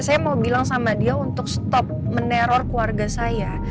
saya mau bilang sama dia untuk stop meneror keluarga saya